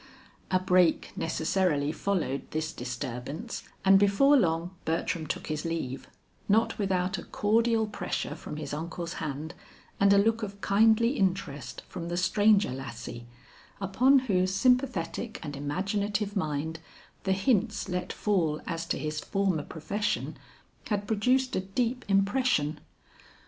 A break necessarily followed this disturbance, and before long Bertram took his leave, not without a cordial pressure from his uncle's hand and a look of kindly interest from the stranger lassie, upon whose sympathetic and imaginative mind the hints let fall as to his former profession, had produced a deep impression.